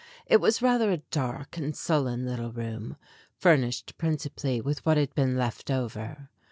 It was rather a dark and sullen little room, furnished princi pally with what had been left over.